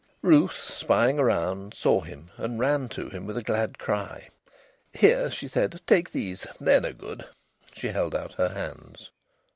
Ruth, spying around, saw him and ran to him with a glad cry. "Here!" she said, "take these. They're no good." She held out her hands.